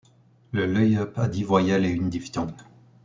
Le löyöp a dix voyelles et une diphtongue.